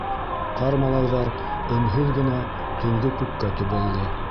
Ҡар малайҙар өнһөҙ генә төнгө күккә төбәлде.